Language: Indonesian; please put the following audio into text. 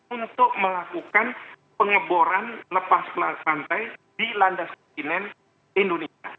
untuk melakukan pengeboran lepas pantai di landas kontinen indonesia